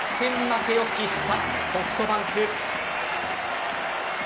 負けを喫したソフトバンク。